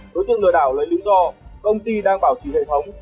đối tượng lừa đảo lấy lý do công ty đang bảo trì hệ thống